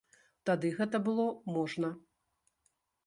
Тады гэта было можна.